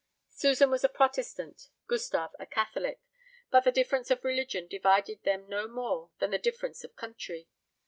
Susan was a Protestant, Gustave a Catholic, but the difference of religion divided them no more than the difference of country.